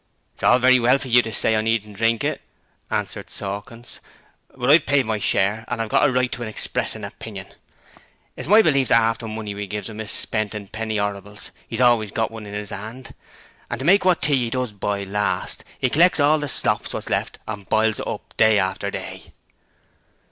'It's all very well for you to say I needn't drink it,' answered Sawkins, 'but I've paid my share an' I've got a right to express an opinion. It's my belief that 'arf the money we gives 'him is spent on penny 'orribles: 'e's always got one in 'is hand, an' to make wot tea 'e does buy last, 'e collects all the slops wot's left and biles it up day after day.'